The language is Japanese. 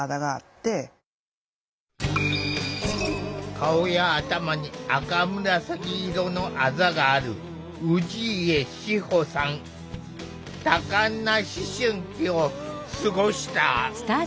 顔や頭に赤紫色のあざがある多感な思春期を過ごした。